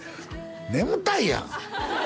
眠たいやん